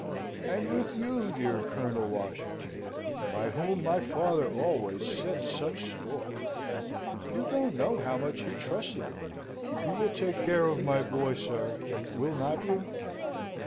"And with you, dear Colonel Washington, by whom my father always set such store. You don't know how much he trusted in you. You will take care of my boy, sir, will not you?